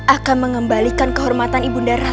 akan mengembalikan kehormatan ibu darah